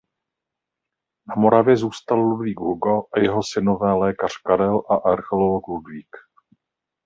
Na Moravě zůstal Ludvík Hugo a jeho synové lékař Karel a archeolog Ludvík.